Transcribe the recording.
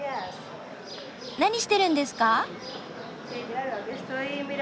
何してるんですか？